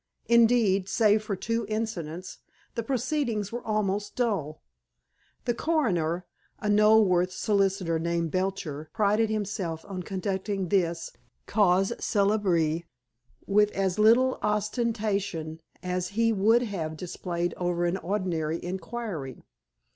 Indeed, save for two incidents, the proceedings were almost dull. The coroner, a Knoleworth solicitor named Belcher, prided himself on conducting this cause célèbre with as little ostentation as he would have displayed over an ordinary inquiry.